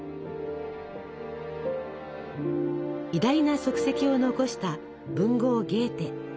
偉大な足跡を残した文豪ゲーテ。